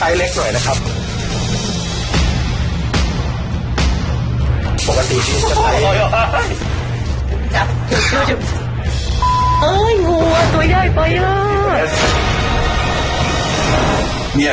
อ้ายยยมูว่ะตัวใหญ่